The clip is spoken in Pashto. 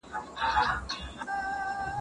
ډیجیټل بانکداري اوس عامه شوې ده.